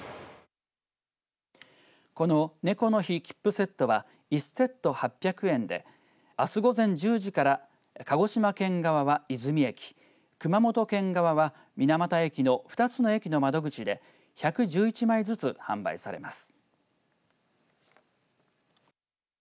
このねこの日切符セットは１セット８００円であす午前１０時から鹿児島県側は出水駅熊本県側は水俣駅の２つの駅の窓口で１１１枚ずつ販売されます。